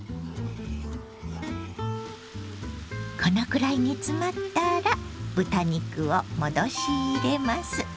このくらい煮詰まったら豚肉を戻し入れます。